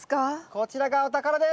こちらがお宝です！